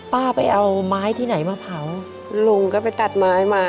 ป้าไปเอาไม้ที่ไหนมาเผาลุงก็ไปตัดไม้มา